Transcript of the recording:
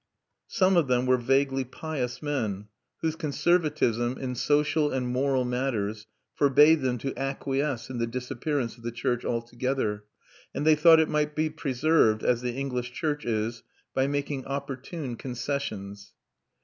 Some of them were vaguely pious men, whose conservativism in social and moral matters forbade them to acquiesce in the disappearance of the church altogether, and they thought it might be preserved, as the English church is, by making opportune concessions.